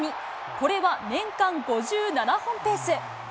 これは年間５７本ペース。